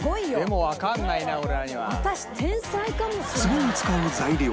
次に使う材料は